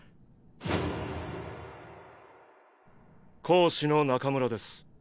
講師の中村です。